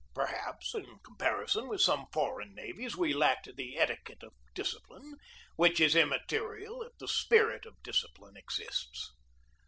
Perhaps, in comparison with some foreign navies, we lacked the etiquette of discipline, which is imma terial if the spirit of discipline exists.